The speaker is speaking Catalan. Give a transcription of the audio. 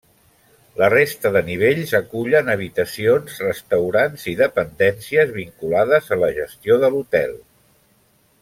La resta de nivells acullen habitacions, restaurants i dependències vinculades a la gestió de l'hotel.